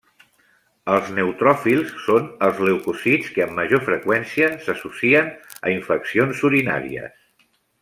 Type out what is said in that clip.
Els neutròfils són els leucòcits que amb major freqüència s'associen a infeccions urinàries.